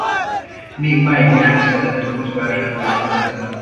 Még máig is ezt a laptopot vásárolják igazán.